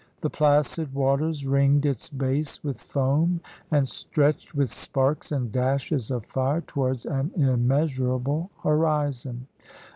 The placid waters ringed its base with foam, and stretched with sparks and dashes of fire towards an immeasurable horizon.